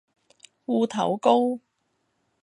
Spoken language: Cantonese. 芋頭糕